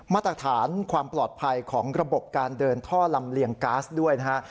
มาตรฐานความปลอดภัยของระบบการเดินท่อลำเลียงก๊าซด้วยนะฮะ